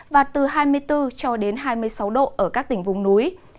và từ hai mươi bốn cho đến hai mươi sáu độ ở các tỉnh vùng núi